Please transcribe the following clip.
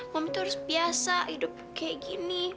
mami tuh harus biasa hidup kayak gini